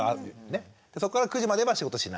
そこから９時までは仕事しない。